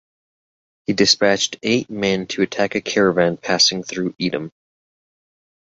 He despatched eight men to attack a caravan passing through Edam.